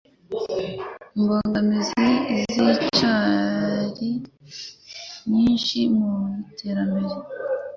Imbogamizi ziracyari nyinshi mu iterambere